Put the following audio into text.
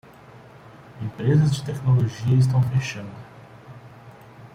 Empresas de tecnologia estão fechando